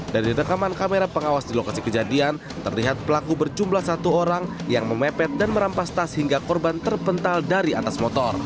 dari rekaman kamera pengawas di lokasi kejadian terlihat pelaku berjumlah satu orang yang memepet dan merampas tas hingga korban terpental dari atas motor